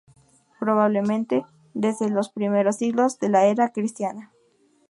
Probablemente desde la los primeros siglos de la era cristiana.